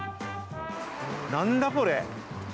何だこれ？